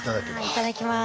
いただきます。